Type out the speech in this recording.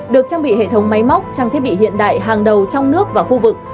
được trang bị hệ thống máy móc trang thiết bị hiện đại hàng đầu trong nước và khu vực